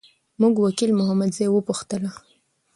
موږ وکیل محمدزی وپوښتله.